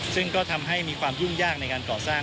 ซึ่งก็ทำให้มีความยุ่งยากในการก่อสร้าง